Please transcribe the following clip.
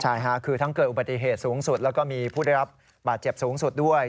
ใช่ค่ะคือทั้งเกิดอุบัติเหตุสูงสุดแล้วก็มีผู้ได้รับบาดเจ็บสูงสุดด้วย